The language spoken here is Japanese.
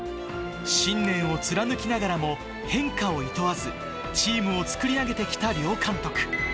信念を貫きながらも、変化をいとわず、チームを作り上げてきた両監督。